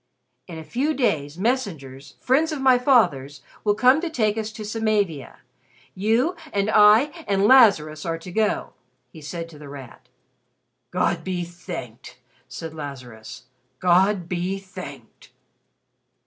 "In a few days, messengers friends of my father's will come to take us to Samavia. You and I and Lazarus are to go," he said to The Rat. "God be thanked!" said Lazarus. "God be thanked!"